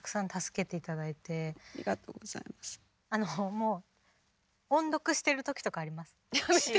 もう音読してる時とかあります詞を。